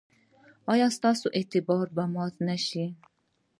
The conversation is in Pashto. ایا ستاسو باور به مات نشي؟